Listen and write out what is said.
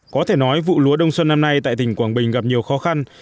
có thể nói vụ lúa đông xuân năm nay tại tỉnh quảng bình gặp nhiều khó khăn